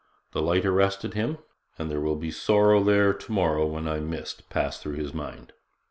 The light arrested him, and 'there will be sorrow there to morrow when I'm missed' passed through his mind.